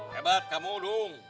hebat kamu dong